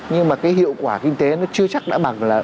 nhưng mà cái hiệu quả kinh tế nó chưa chắc đã bằng là